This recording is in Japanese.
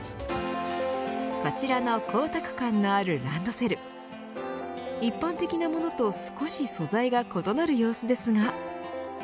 こちらの光沢感のあるランドセル一般的なものと少し素材が異なる様子ですが。